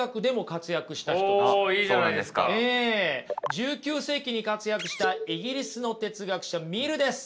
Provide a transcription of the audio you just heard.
１９世紀に活躍したイギリスの哲学者ミルです。